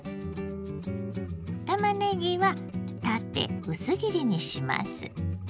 たまねぎは縦薄切りにします。